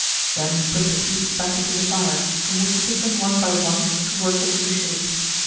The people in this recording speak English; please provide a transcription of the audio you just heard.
Then he put the pieces back into the fire, from which he took them one by one to work them into shape.